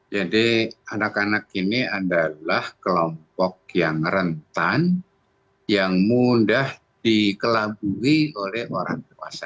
jadi anak anak ini adalah kelompok yang rentan yang mudah dikelabui oleh orang dewasa